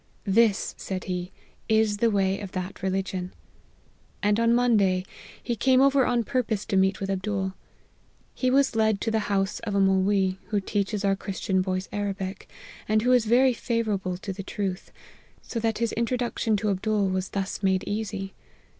* This,' said he, 'is the way of that religion.' And on Monday, he came over on purpose to meet with Abdool. He was led to the house of a Molwee, who teaches our Christian boys Arabic, and who is very favourable to the truth ; so that his introduc tion to Abdool was thus made easy.